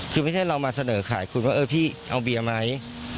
คือไม่ใช่เรามาเสนอขายคุณว่าเออพี่เอาเบียร์ไหม